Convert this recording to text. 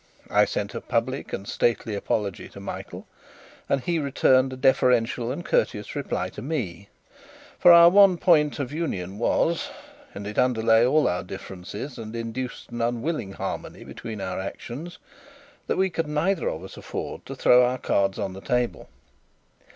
I sent a public and stately apology to Michael, and he returned a deferential and courteous reply to me; for our one point of union was and it underlay all our differences and induced an unwilling harmony between our actions that we could neither of us afford to throw our cards on the table.